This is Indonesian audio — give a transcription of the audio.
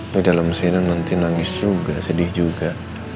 di dalam sini nanti nangis juga sedih juga